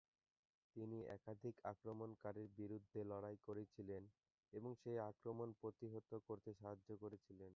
তিনি একাধিক আক্রমণকারীর বিরুদ্ধে লড়াই করেছিলেন এবং সেই আক্রমণ প্রতিহত করতে সাহায্য করেছিলেন।